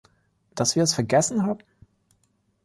Dass wir es vergessen haben?